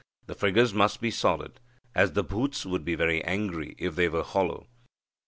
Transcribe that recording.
The figures must be solid, as the bhuthas would be very angry if they were hollow.